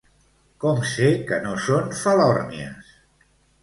Com sé que no són falòrnies?